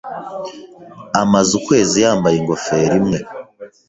Amaze ukwezi yambaye ingofero imwe.